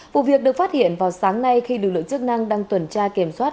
vụ việc được phát hiện vào sáng nay khi lực lượng chức năng đang tuần tra kiểm soát